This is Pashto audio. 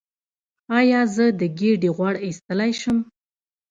ایا زه د ګیډې غوړ ایستلی شم؟